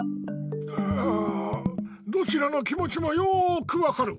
ううどちらの気もちもよくわかる。